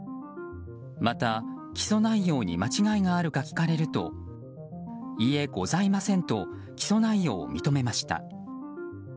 また、起訴内容に間違いがあるか聞かれるといえ、ございませんと起訴内容を認めました。